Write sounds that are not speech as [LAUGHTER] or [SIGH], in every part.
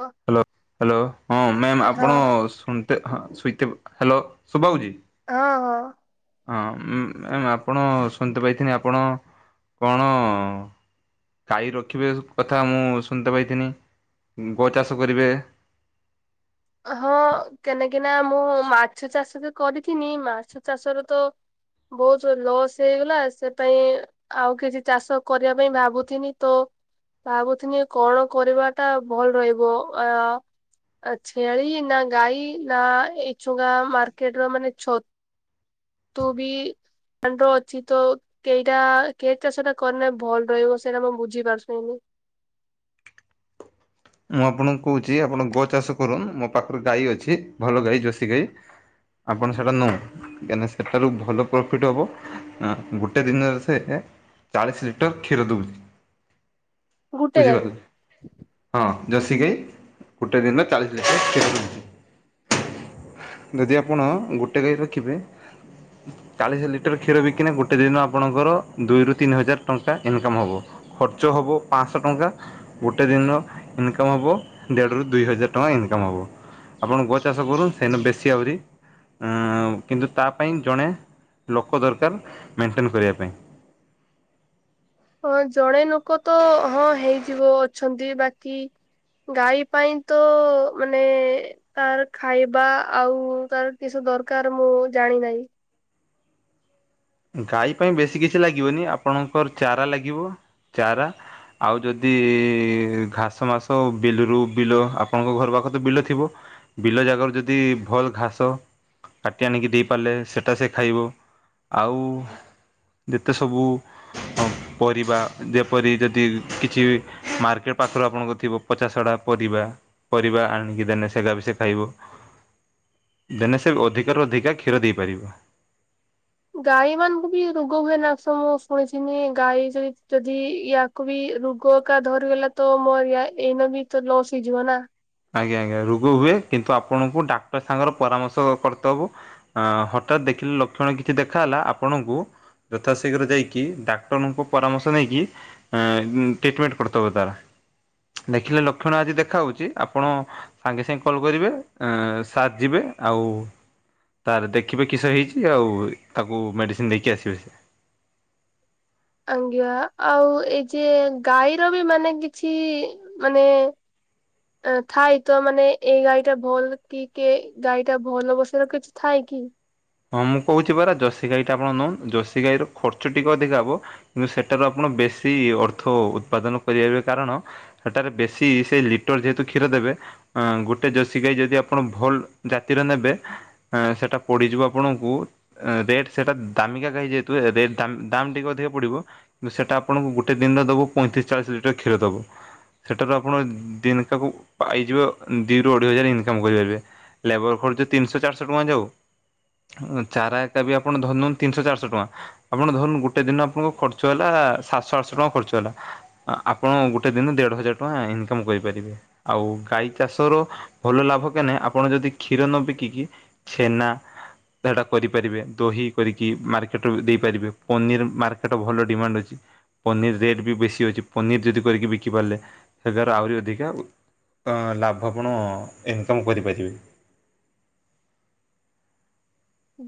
ହଁ hello hello ହଁ ma'am ଆପଣ ହଁ ଶୁଣ ଟେ ହଁ ସୁଇଟୋ ହ୍ୟାଲୋ ସୁଭା ହଉଛି ହଁ ହଁ ହଁ ମ୍ୟାମ୍ ଆପଣ ସୁଣିତେ ପାଇଥିନି ଆପଣ କଣ ଗାଈ ରଖିବେ କଥା ମୁଁ ସୁଣିତେ ପାଇଥିନି ଗୋ ଚାଷ କରିବେ ହଁ କେନାକିନା ମୁଁ ମାଛ ଚାଷ ବି କରିଥିନି ମାଛ ଚାଷର ତ ବହୁତ ଲସ୍ ହେଇଗଲା ସେ ପାଇ ଆଉ କିଛି ଚାଷ କରିବା ପାଇଁ ଭାବୁଥିନି ତ ଭାବୁଥିଲି କଣ କରିବା ଟା ଭଲ୍ ରହିବ ଅ ଛେଳି ନା ଗାଈ ନା ଏ ଛୁଙ୍କା ମାର୍କେଟ୍ ରେ ମାନେ ଛ ତୁ ବି [UNINTELLIGIBLE] ଅଛି ତ କେଇଟା କେ ଚାଷ ଟା କଲେ ଭଲ୍ ରହିବ ସେଇଟା ମୁଁ ବୁଝି ପାରୁଛନି। ମୁଁ ଆପଣଙ୍କୁ କହୁଚି ଆପଣ ଗୋ ଚାଷ କରୁନ୍ ମୋ ପାଖରେ ଗାଈ ଅଛି ଭଲ ଗାଈ ଜର୍ଷି ଗାଈ ଆପଣ ସେଇଟା ନୁ କାହିଁକି ନା ସେଟାରୁ ଭଲ ପ୍ରଫିଟ୍ ହବ ଆଁ- ଗୋଟେ ଦିନରେ ସେ ଚାଳିଶ୍ ଲିଟର୍ କ୍ଷୀର ଦଉଚି। ଗୋଟେ ଗାଈ? ହଁ ଜର୍ଷି ଗାଈ ଗୋଟେ ଦିନରେ ଚାଳିଶ୍ ଲିଟର କ୍ଷୀର ଦଉଚି। ଯଦି ଆପଣ ଗୋଟେ ଗାଈ ରଖିବେ ଚାଳିଶ୍ ଲିଟର କ୍ଷୀର ବିକିନେ ଗୋଟେ ଦିନ ଆପଣଙ୍କର ଦୁଇରୁ ତିନି ହଜାର ଟଙ୍କା ଇନକମ୍ ହବ। ଖର୍ଚ୍ଚ ହବ ପାଁଅଶ ଟଙ୍କା ଗୋଟେ ଦିନର ଇନକମ୍ ହବ ଦେଢ ରୁ ଦୁଇ ହଜାର ଟଙ୍କା ଇନକମ୍ ହବ। ଆପଣ ଗୋ ଚାଷ କରୁନ୍ତୁ [UNINTELLIGIBLE] ବେଶୀ ଆହୁରି ଆଁ -କିନ୍ତୁ ତା ପାଇଁ ଜଣେ ଲୋକ ଦରକାର୍ ମେଣ୍ଟେନ୍ କରିବା ପାଇଁ। ହଁ ଜଣେ ଲୋକ ତ ହଁ ହେଇଯିବ ଅଛନ୍ତି ବାକି ଗାଈ ପାଇଁ ତ ମାନେ ତାର ଖାଇବା ଆଉ ତାର କିସ ଦରକାର୍ ମୁଁ ଜାଣିିନାହିଁ। ଗାଈ ପାଇଁ ବେଶୀ କିଛି ଲାଗିବନି ଆପଣଙ୍କର ଚାରା ଲାଗିବ ଚାରା ଆଉ ଯଦି ଘାସ ମାସ ବିଲୁରୁ ବିଲ ଆପଣଙ୍କ ଘର ପାଖେ ତ ବିଲ ଥିବ? ବିଲ ଜାଗାରୁ ଯଦି ଭଲ୍ ଘାସ କାଟି ଆଣିକି ଦେଇପାରିଲେ ସେଟା ସେ ଖାଇବ। ଆଉ ଯେତେ ସବୁ ପରିବା ଯେପରି ଯଦି କିଛି ବି ମାର୍କେଟ ପାଖରୁ ଆପଣଙ୍କ ଥିବ ପଚାସଢା ପରିବା ପରିବା ଆଣିକି ଦେନେ ସେଟା ବି ସେ ଖାଇବ। ଦେନେ ସେ ଅଧିକାରୁ ଅଧିକା କ୍ଷୀର ଦେଇପାରିବ। ଗାଈ ମାନଙ୍କୁ ବି ରୋଗ ହୁଏ ନା ମୁଁ ଶୁଣିଥିନି ଗାଈ ଯେ- ଯଦି ଇଆ ଆକୁ ବି ରୋଗ କା ଧରିଗଲା ତ ମୋର ଏଇନା ବି ତ ଲସ୍ ହେଇଯିବ ନା। ଆଜ୍ଞା -ଆଜ୍ଞା ରୋଗ ହୁଏ କିନ୍ତୁ ଆପଣଙ୍କୁ ଡାକ୍ତର ସାଙ୍ଗର ପରାମର୍ଶ କରିଦବ। ଆ ହଠାତ୍ ଦେଖିଲେ ଲକ୍ଷଣ କିଛି ଦେଖା ହେଲା ଆପଣଙ୍କୁ ଯଥାଶୀଘ୍ର ଯାଇକି ଡାକ୍ତରଙ୍କ ପରାମର୍ଶ ନେଇକି ଆଁ -ଟ୍ରିଟମେଣ୍ଟ୍ କରିଦବ ତାର ଦେଖିଲେ ଲକ୍ଷଣ ଆଜି ଦେଖା ହଉଚି ଆପଣ ସାଙ୍ଗେ ସାଙ୍ଗେ କଲ୍ କରିବେ ଏଁ- ସାର୍ ଯିବେ ଆଉ ତାର ଦେଖିବେ କିସ ହେଇଚି ଆଉ ତାକୁ ମେଡିସିନ୍ ଦେଇକି ଆସିବେ। ଆଜ୍ଞା ଆଉ ଏଇ ଯେ ଗାଈର ବି ମାନେ କିଛି ମାନେ ଥାଏ ତ ମାନେ ଏଇ ଗାଈ ଟା ଭଲ୍ କି କେ ଗାଈ ଟା ଭଲ୍ ହବ ସେରା କିଛି ଥାଏ କି? ହଁ -ମୁଁ କହୁଚି ପରା ଜର୍ଷି ଗାଈଟା ଆପଣ ନଉନ୍ ଜର୍ଷି ଗାଈ ର ଖର୍ଚ୍ଚ ଟିକେ ଅଧିକା ହବ କିନ୍ତୁ ସେଟାରୁ ଆପଣ ବେଶୀ ଅର୍ଥ ଉତ୍ପାଦନ କରିପାରିବେ କାରଣ ସେଟାରେ ବେଶୀ ସେ ଲିଟର୍ ଯେହେତୁ କ୍ଷୀର ଦେବେ ଅଁ- ଗୋଟେ ଜର୍ଷି ଗାଈ ଯଦି ଆପଣ ଭଲ୍ ଜାତିର ନେବେ ଅଁ- ସେଟା ପଡିଯିବ ଆପଣଙ୍କୁ ରେଟ୍ ସେଟା ଦାମିକା ଗାଈ ଯେହେତୁ ରେଟ୍ ଦାମ୍- ଦାମ୍ ଟିକେ ଅଧିକା ପଡିବ କିନ୍ତୁ ସେଟା ଆପଣଙ୍କୁ ଗୋଟେ ଦିନରେ ଦବୁ ପଇଁତିରିଶ୍ ଚାଳିଶ୍ ଲିଟର କ୍ଷୀର ଦବୁ। ସେଠାରୁ ଆପଣ ଦିନକୁ ପାଇଯିବେ ଦୁଇରୁ ଅଢ଼େଇ ହଜାର ଇନକମ୍ କରିପାରିବେ। ଲେବର ଖର୍ଚ୍ଚ ତିନିଶହ ଚାରିଶହ ଟଙ୍କା ଯାଉ। ଚାରା ଏକା ବି ଆପଣ ଧରିନିଅନ୍ତୁ ତିନିଶହ ଚାରିଶହ ଟଙ୍କା। ଆପଣ ଧରନ୍ତୁ ଗୋଟେ ଦିନ ଆପଣଙ୍କ ଖର୍ଚ୍ଚ ହେଲା ସାତଶହ ଆଠଶହ ଟଙ୍କା ଖର୍ଚ୍ଚ ହେଲା। ଆପଣ ଗୋଟେ ଦିନ ଦେଢ ହଜାର ଟଙ୍କା ଇନକମ୍ କରିପାରିବେ। ଆଉ ଗାଈ ଚାଷର ଭଲ ଲାଭ କେନେ ଆପଣ ଯଦି କ୍ଷୀର ନ ବିକିକି ଛେନା ସେଟା କରିପାରିବେ। ଦହି କରିକି ମାର୍କେଟ ଦେଇପାରିବେ ପନିର ମାର୍କେଟ ଭଲ ଡିମାଣ୍ଡ ଅଛି। ପନିର୍ ରେଟ୍ ବି ବେଶୀ ଅଛି। ପନିର୍ ଯଦି କରିକି ବିକିପାରିଲେ ସେଗାର ଆହୁରି ଅଧିକା ଲାଭ ଆପଣ ଇନକମ୍ କରିପାରିବେ।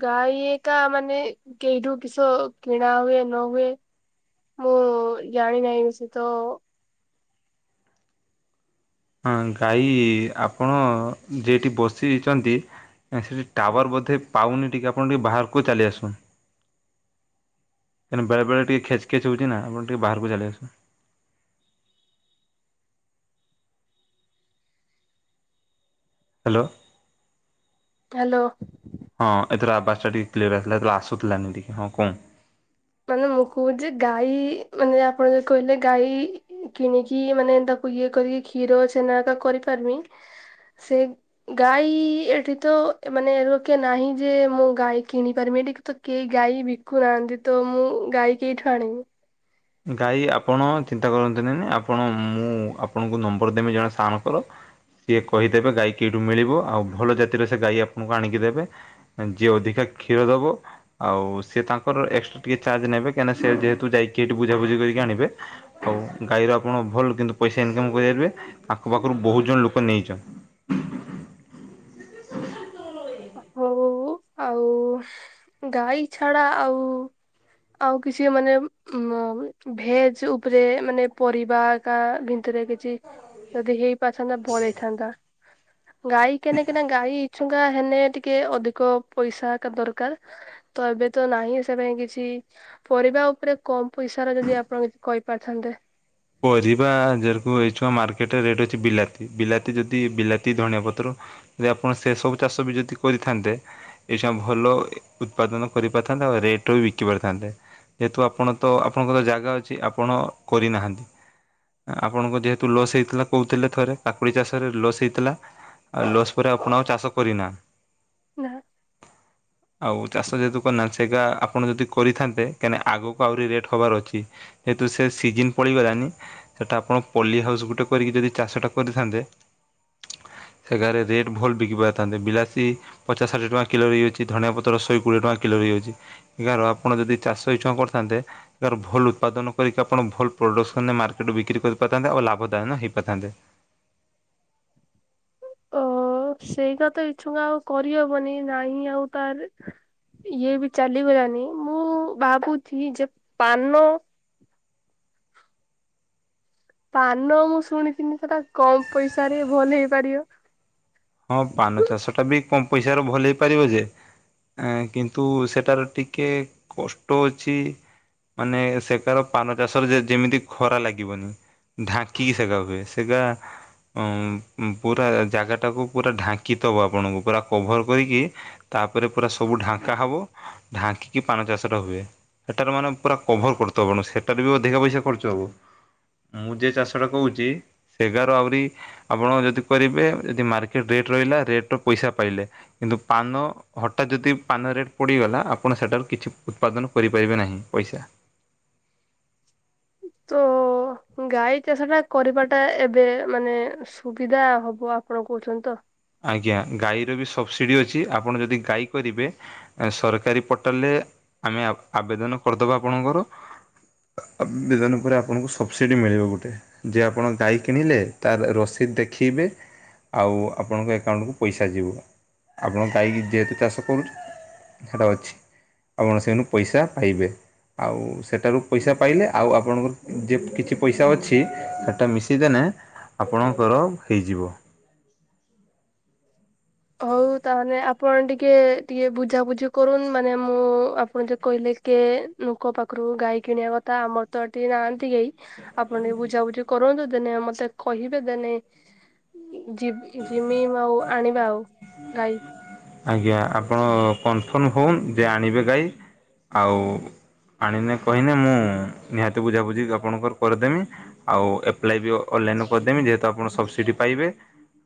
ଗାଈ ଇଏ ଏକା ମାନେ କେଇଠୁ କିଷ କିଣା ହୁଏ ନ ହୁଏ ମୁଁ ଜାଣି ନାହିଁ ବେଶୀ ତ ହଁ ଗାଈ ଆପଣ ଯଇଠି ବସିଛନ୍ତି ଆ ସେଠି ଟାୱାର୍ ବୋଧେ ପାଉନି ଟିକେ ଆପଣ ଟିକେ ବାହାରକୁ ଚାଲି ଆସନ୍ତୁ। କାହିଁକିନା ବେଳେ ବେଳେ ଟିକେ ଖେଚ୍ ଖେଚ୍ ହେଉଛି ନା ଆପଣ ଟିକେ ବାହାରକୁ ଚାଲି ଆସନ୍ତୁ। ହାଲୋ। ହାଲୋ। ହଁ ଏଥର ଆବାଜ୍ ଟା ଟିକେ କ୍ଲିୟର ଆସିଲା ହେତେବେଳେ ଆସୁନଥିଲା ଟିକେ ହଁ କୁହ ମାନେ ମୁଁ କହୁଛି ଗାଈ ମାନେ ଆପଣ ଯଉ କହିଲେ ଗାଈ କିଣିକି ମାନେ ତାକୁ ଇଏ କରିକି କ୍ଷୀର, ଛେନା ତ କରିପାରିମି ସେ ଗାଈ ଏଠି ତ ମାନେ ଲୋକେ ନାହିଁ ଯେ ମୁଁ ଗାଈ କିଣି ପାରିମି ଏଠିକ ତ କେହି ଗାଈ ବିକୁନାହାନ୍ତି ତ ମୁଁ ଗାଈ କେଇଠୁ ଆଣିବି? ଗାଈ ଆପଣ ଚିନ୍ତା କରନ୍ତୁନି ଆପଣ ମୁଁ ଆପଣଙ୍କୁ ନମ୍ବର୍ ଦେବି ଜଣେ ସାରଙ୍କର ସିଏ କହିଦେବେ ଗାଈ କେଇଠୁ ମିଳିବ ଆଉ ଭଲ ଜାତିର ସେ ଗାଈ ଆପଣଙ୍କୁ ଆଣିକି ଦେବେ। ମାନେ ଯିଏ ଅଧିକା କ୍ଷୀର ଦବ। ଆଉ ସିଏ ତାଙ୍କର ଏକ୍ସଟ୍ରା ଟିକେ ଚାର୍ଜ ନେବେ କାହିଁକି ସେ ଯେହେତୁ ଯାଇକି ସେ ଏଠୁ ବୁଝାବୁଝି କରିକି ଆଣିବେ। ଆଉ ଗାଈର ଆପଣ ଭଲ୍ କିନ୍ତୁ ପଇସା ଇନକମ୍ କରିପାରିବେ। ଆଖ ପାଖରୁ ବହୁତ୍ ଜଣ ଲୋକ ନେଇଛନ୍ତି। ହଉ ଆଉ ଗାଈ ଛଡ଼ା ଆଉ ଆଉ କିଛି ମାନେ ମ ଭେଜ୍ ଉପରେ ମାନେ ପରିବା କାଁ ଭିନ୍ତରେ କିଛି ଯଦି ହେଇ ଥାନ୍ତା ଭଲ୍ ହେଇଥାନ୍ତା। ଗାଈ କେନେ କେନା ଗାଈ ଇଛୁଙ୍କା ହେନେ ଟିକେ ଅଧିକ ପଇସା ଏକା ଦରକାର୍ ତ ଏବେ ତ ନାହିଁ ସେ ପାଇଁ କିଛି। ପରିବା ଉପରେ କମ୍ ପଇସା ର ଯଦି ଆପଣ କିଛି କହିପାରିଥାନ୍ତେ। ପରିବା ଯେର୍ କୁ ହେଇଛୁ ମାର୍କେଟ୍ ରେ ରେଟ୍ ଅଛି ବିଲାତି ବିଲାତି ଯଦି ବିଲାତି, ଧଣିଆ ପତ୍ର ଯଦି ଆପଣ ସେ ସବୁ ଚାଷ ବି ଯଦି କରିଥାନ୍ତେ ଏ ସମୟରେ ଭଲ ଏ ଉତ୍ପାଦନ କରି ପାରିଥାନ୍ତେ ଆଉ ରେଟରେ ବି ବିକି ପାରିଥାନ୍ତେ। ଯେହେତୁ ଆପଣ ତ ଆପଣଙ୍କର ଜାଗା ଅଛି ଆପଣ କରିନାହାନ୍ତି। ଆପଣଙ୍କ ଯେହେତୁ ଲସ୍ ହେଇଥିଲା କହୁଥିଲେ ଥରେ କାକୁଡ଼ି ଚାଷରେ ଲସ୍ ହେଇଥିଲା। ଆଉ ଲସ୍ ପରେ ଆପଣ ଆଉ ଚାଷ କରିନା। ନା। ଆଉ ଚାଷ ଯେହେତୁ କରିନାହାନ୍ତି ସେଇଟା ଆପଣ ଯଦି କରିଥାନ୍ତେ କେନେ ଆଗକୁ ଆହୁରି ରେଟ୍ ହବାର ଅଛି। ଯେହେତୁ ସେ ସିଜିିନ୍ ପଳିଗଲାନି ସେଟା ଆପଣ ପଲି ହାଉସ୍ ଗୋଟେ କରିକି ଯଦି ଚାଷଟା କରିଥାନ୍ତେ ସେ ଘାରେ ରେଟ୍ ଭଲ୍ ବିକି ପାରିଥାନ୍ତେ ବିଲାତି ପଚାସ୍ ଷାଠିଏ ଟଙ୍କା କିଲୋ ବି ହେଇଯାଉଚି ଅଛି ଧଣିଆ ପତ୍ର ଶହ କୋଡ଼ିଏ ଟଙ୍କା କିଲୋ ହେଇଯାଉଚି। ଏହାର ଆପଣ ଯଦି ଚାଷ ଇଛଁ କରିଥାନ୍ତେ ଏହାର ଭଲ୍ ଉତ୍ପାଦନ କରିକି ଆପଣ ଭଲ୍ ପ୍ରଡ଼କ୍ସ୍ ମାନେ ମାର୍କେଟ୍ ବିକ୍ରି କରି ପାରି ଥାନ୍ତେ ଆଉ ଲାଭଦାୟନ ହେଇପାରଥାନ୍ତେ। ଓ ସେଇଟା ତ ଇଛୁକା ଆଉ କରିହବନି ନାହିଁ ଆଉ ତାରେ ଇଏ ବି ଚାଲିଗଲାନି ମୁଁ ଭାବୁଛିି ଯେ ପାନ ପାନ ମୁଁ ଶୁଣିଥିନି ସେଟା କମ୍ ପଇସାରେ ଭଲ୍ ହେଇପାରିବ। ହଁ ପାନ ଚାଷ ଟା ବି କମ୍ ପଇସା ରେ ଭଲ୍ ହେଇପାରିବ ଯେ ଏ କିନ୍ତୁ ସେଟାର ଟିକେ କଷ୍ଟ ଅଛି ମାନେ ସେକାର ପାନ ଚାଷ ରେ ଯେମିତି ଖରା ଲାଗିବନି। ଢାଙ୍କିକି ସେଗା ହୁଏ ସେଗା ଉ ପୁରା ଜାଗା ଟାକୁ ପୁରା ଢାଙ୍କିିତବ ଆପଣଙ୍କୁ ପୁରା କଭର କରିକି ତାପରେ ପୁରା ସବୁ ଢାଙ୍କା ହେବ ଢାଙ୍କିକି ପାନ ଚାଷ ଟା ହୁଏ। ସେଟାରେ ମାନେ ପୁରା କଭର୍ କରୁଥିବ ଆପଣ ସେଠାରେ ବି ଅଧିକା ପଇସା ଖର୍ଚ୍ଚ ହବ। ମୁଁ ଯିଏ ଚାଷଟା କହୁଛି ସେଗାର ଆହୁରି ଆପଣ ଯଦି କରିବେ ଯଦି ମାର୍କେ ଟିକେ ରେଟ୍ ରହିଲା ରେଟ୍ ର ପଇସା ପାଇଲେ କିନ୍ତୁ ପାନ ହଠାତ୍ ଯଦି ପାନ ରେଟ୍ ପଡ଼ିଗଲା ଆପଣ ସେଠାରୁ କିଛି ଉତ୍ପାଦନ କରିପାରିବେ ନାହିଁ ପଇସା। ତ ଗାଈ ଚାଷ ଟା କରିବା ଟା ଏବେ ମାନେ ସୁବିଧା ହବ ଆପଣ କହୁଛନ୍ତି ତ ଆଜ୍ଞା ଗାଈର ବି ସବସିଡ଼ି ଅଛି ଆପଣ ଯଦି ଗାଈ କରିବେ ସରକାରୀ ପୋର୍ଟାଲରେ ଆମେ ଆବେଦନ କରିଦବା ଆପଣଙ୍କର ଆବେଦନ ପରେ ଆପଣଙ୍କୁ ସବସିଡି ମିଳିବ ଗୋଟେ। ଯେ ଆପଣ ଗାଈ କିଣିଲେ ତାର ରସିଦ ଦେଖେଇବେ ଆଉ ଆପଣଙ୍କ ଏକାଉଣ୍ଟକୁ ପଇସା ଯିବ ଆପଣ ଗାଈକି ଯେହେତୁ ଚାଷ କରୁଛ ସେଟା ଅଛି ଆପଣ ସେନୁ ପଇସା ପାଇବେ। ଆଉ ସେଠାରୁ ପଇସା ପାଇଲେ ଆଉ ଆପଣଙ୍କର ଯେ କିଛି ପଇସା ଅଛି ସେଇଟା ମିଶେଇଦେଲେ ଆପଣଙ୍କର ହେଇଯିବ। ହଉ ତାହେଲେ ଆପଣ ଟିକେ ଟିକେ ବୁଝାବୁଝି କରୁନ ମାନେ ମୁଁ ଆପଣ ଯ କହିଲେ କି ଲୋକ ପାଖରୁ ଗାଈ କିଣିବା କଥା ଆମର ତ ଏଠି ନାହାନ୍ତି କେହି ଆପଣ ଟିକେ ବୁଝାବୁଝି କରନ୍ତୁ ଦେନେ ମତେ କହିବେ ଦେନେ ଯିମି ଆଉ ଆଣିବା ଆଉ ଗାଈ ଆଜ୍ଞା ଆପଣ କନଫର୍ମ ହଉନ ଯେ ଆଣିବେ ଗାଈ ଆଉ ଆଣିମେ କହିନେ ମୁଁ ନିହାତି ବୁଝାବୁଝି ଆପଣଙ୍କର କରିଦେମି ଆଉ ଏପ୍ଲାଏ ବି ଅନଲାଇନ କରିଦମି ଯେହେତୁ ଆପଣ ସବସିଡି ପାଇବେ।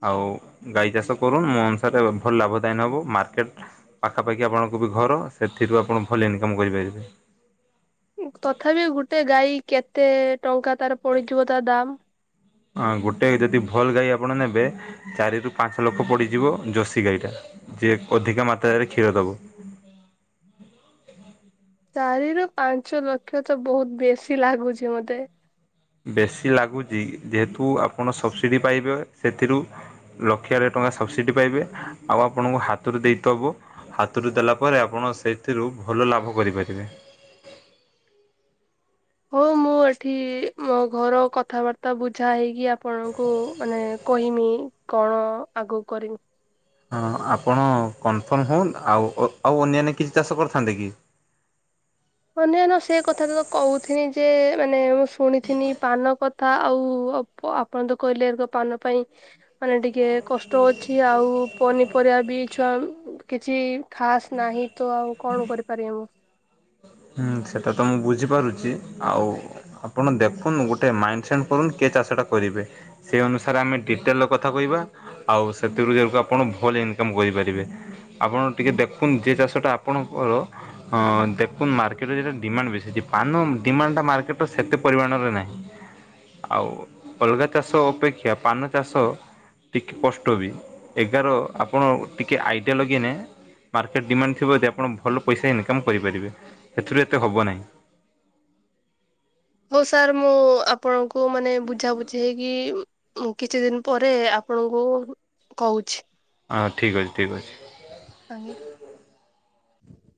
ଆଉ ଗାଈ ଚାଷ କରୁନ ମୋ ଅନୁସାରେ ଭଲ ଲାଭ ଦେଇନ ହେବ ମାର୍କେଟ ପାଖାପାଖି ଆପଣଙ୍କୁ ବି ଘର ସେଥିରୁ ଆପଣ ଭଲ ଇନକମ୍ କରିପାରିବେ। ତଥାପି ଗୋଟେ ଗାଈ କେତେ ଟଙ୍କା ତାର ପଡିଯିବ ତା ଦାମ? ହଁ ଗୋଟେ ଯଦି ଭଲ୍ ଗାଈ ଆପଣ ନେବେ ଚାରିରୁ ପାଞ୍ଚ ଲକ୍ଷ ପଡ଼ିଯିବ ଜୋଶୀ ଗାଈଟା। ଯିଏ ଅଧିକା ମାତ୍ରାରେ କ୍ଷୀର ଦବ। ଚାରି ରୁ ପାଞ୍ଚ ଲକ୍ଷ ତ ବହୁତ ବେଶୀ ଲାଗୁଛି ମତେ। ବେଶୀ ଲାଗୁଛି ଯେହେତୁ ଆପଣ ସବସିଡ଼ି ପାଇବେ ସେଥିରୁ ଲକ୍ଷ ଆଡ଼େ ଟଙ୍କା ସବସିଡ଼ି ପାଇବେ ଆଉ ଆପଣଙ୍କୁ ହାତରୁ ଦେଇତେ ହେବ ହାତରୁ ଦେଲା ପରେ ଆପଣ ସେଥିରୁ ଭଲ ଲାଭ କରିପାରିବେ। ହଉ ମୁଁ ଏଠି ମୋ ଘର କଥାବାର୍ତ୍ତା ବୁଝା ହେଇକି ଆପଣଙ୍କୁ ମାନେ କହିମି କଣ ଆଗକୁ କରିିମ। ହଁ ଆପଣ କନଫର୍ମ ହଉନ୍ ଆଉ ଆଉ ଅନ୍ୟାନ୍ୟ କିଛି ଚାଷ କରିଥାନ୍ତେ କି? ଅନ୍ୟାନ୍ୟ ସେ କଥା ତ ତ କହୁଥିନି ଯେ ମାନେ ମୁଁ ଶୁଣିଥିନି ପାନ କଥା ଆଉ ଆପଣ ତ କହିଲେ ଆଙ୍କ ପାନ ପାଇଁ ମାନେ ଟିକେ କଷ୍ଟ ଅଛି ଆଉ ପନିପରିବା ବି ଛୁଆ କିଛି ଖାସ୍ ନାହିଁ ତ ଆଉ କଣ କରିପାରିବି ମୁଁ। ହୁଁ ସେଟା ତ ମୁଁ ବୁଝିପାରୁଛି ଆଉ ଆପଣ ଦେଖୁନ ଗୋଟେ ମାଇନ ସେଟ କରୁନ କେ ଚାଷ ଟା କରିବେ। ସେ ଅନୁସାରେ ଆମେ ଡିଟେଲ୍ ରେ କଥା କହିବା। ଆଉ ସେଥିରୁ ଯାକୁ ଆପଣ ଭଲ ଇନକମ କରିପାରିବେ। ଆପଣ ଟିକେ ଦେଖୁନ୍ତୁ ଜେ ଚାଷ ଟା ଆପଣଙ୍କର ଅ ଦେ ନୁ ମାର୍କେଟରେ ଯେଟା ଡିମାଣ୍ଡ ବେଶୀ ଅଛି ପାନ ଡିମାଣ୍ଡଟା ମାର୍କେଟରେ ସେତେ ପରିମାଣରେ ନାହିଁ। ଆଉ ଅଲଗା ଚାଷ ଅପେକ୍ଷା ପାନ ଚାଷ ଟିକେ କଷ୍ଟ ବି ଏଗାର ଆପଣ ଟିକିଏ ଆଇଡ଼ିଆ ଲଗେଇନେ ମାର୍କେଟ ଡିମାଣ୍ଡ ଥିବ ଦି ଆପଣ ଭଲ ପଇସା ଇନକମ୍ କରିପାରିବେ ସେଥିରୁ ଏତେ ହବ ନାହିଁ। ହଉ ସାର୍ ମୁଁ ଆପଣଙ୍କୁ ମାନେ ବୁଝାବୁଝି ହେଇକି ମୁଁ କିଛି ଦିନ ପରେ ଆପଣଙ୍କୁ କହୁଛି। ଆ ଠିକ୍ ଅଛି ଠିକ୍ ଅଛି। ଆଜ୍ଞା।